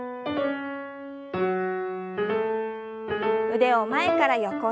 腕を前から横へ。